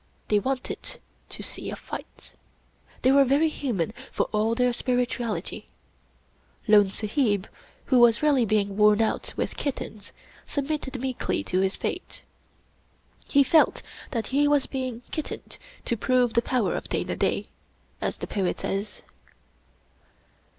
They wanted to see a fight. They were very human for all their spirituality. Lone Sahib, who was really being worn out with kittens, submitted meekly to his fate. He felt that he was being " kittened to prove the power of Dana Da," as the poet says.